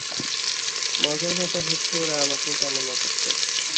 মজার ব্যাপার হচ্ছে, ওরা আমাকেও কামনা করত।